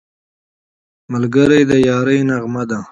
ملګری د یارۍ نغمه ده